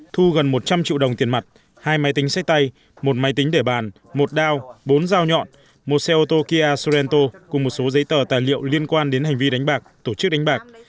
thu gần một trăm linh triệu đồng tiền mặt hai máy tính sách tay một máy tính để bàn một đao bốn dao nhọn một xe ô tô kia sorento cùng một số giấy tờ tài liệu liên quan đến hành vi đánh bạc tổ chức đánh bạc